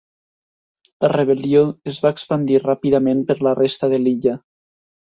La rebel·lió es va expandir ràpidament per la resta de l'illa.